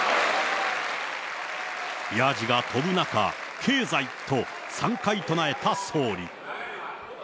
ヤジが飛ぶ中、経済と、３回唱えた総理。